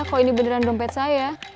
kok ini beneran dompet saya